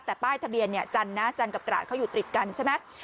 แต่ป้ายทะเบียนเนี่ยจันทร์นะจันกับตราดเขาอยู่ติดกันใช่ไหม